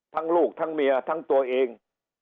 ลูกทั้งเมียทั้งตัวเอง